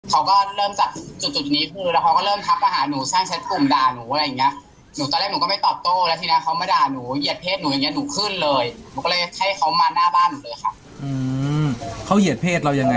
เขาก็เริ่มจากจุดนี้คือเราก็เริ่มพักมาหาหนู